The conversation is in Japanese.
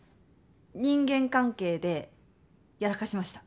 人間関係でやらかしました。